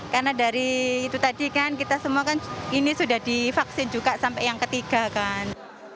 karena dari itu tadi kan kita semua kan ini sudah divaksin juga sampai yang ketiga kan